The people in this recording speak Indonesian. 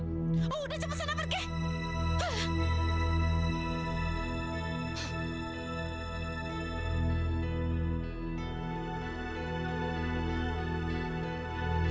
aku udah cepet sana pergi